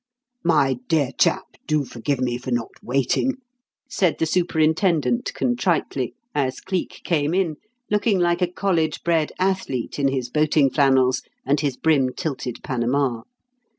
"My dear chap, do forgive me for not waiting," said the superintendent contritely, as Cleek came in, looking like a college bred athlete in his boating flannels and his brim tilted panama.